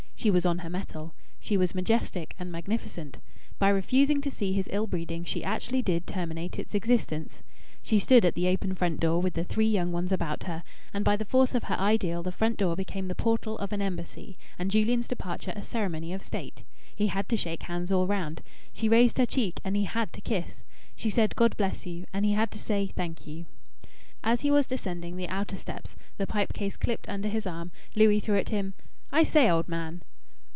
She was on her mettle. She was majestic and magnificent. By refusing to see his ill breeding she actually did terminate its existence. She stood at the open front door with the three young ones about her, and by the force of her ideal the front door became the portal of an embassy and Julian's departure a ceremony of state. He had to shake hands all round. She raised her cheek, and he had to kiss. She said, "God bless you!" and he had to say, "Thank you." As he was descending the outer steps, the pipe case clipped under his arm, Louis threw at him "I say, old man!"